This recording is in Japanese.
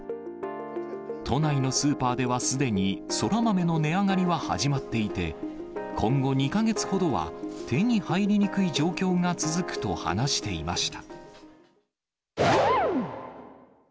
都内のスーパーではすでにそら豆の値上がりは始まっていて、今後２か月ほどは手に入りにくい状況が続くと話していました。